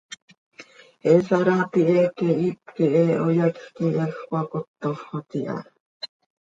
He saraapi heeque hipquih he hoyacj quij heecx cöcacótoxot iha.